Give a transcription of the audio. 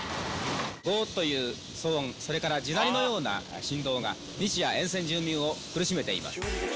ごぉーっという騒音、地鳴りのような振動が、日夜、沿線住民を苦しめています。